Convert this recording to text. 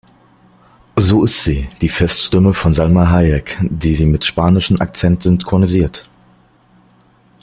So ist sie die Feststimme von Salma Hayek, die sie mit spanischem Akzent synchronisiert.